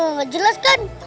nggak jelas kan